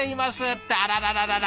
ってあららららら